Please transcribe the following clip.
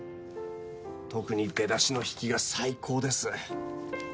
特に、出だしの引きが最高です。